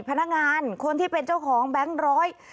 พนักงานคนที่เป็นเจ้าของแบงค์ร้อย